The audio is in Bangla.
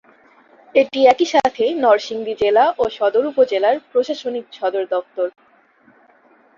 এটি একই সাথে নরসিংদী জেলা ও সদর উপজেলার প্রশাসনিক সদরদপ্তর।